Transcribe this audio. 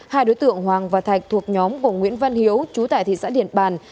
hai đối tượng hoàng và thạch thuộc nhóm của nguyễn văn hiếu chú tại thị xã điện bàn